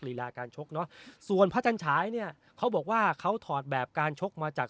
รีลาการชกเนอะส่วนพระจันฉายเนี่ยเขาบอกว่าเขาถอดแบบการชกมาจาก